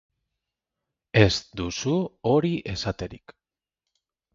Ez duzu hori esaterik.